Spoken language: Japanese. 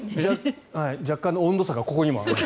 若干の温度差がここにもある。